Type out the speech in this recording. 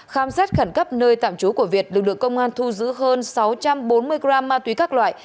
khám xét khẩn cấp nơi tạm trú của việt lực lượng công an thu giữ hơn sáu trăm bốn mươi g ma túy các loại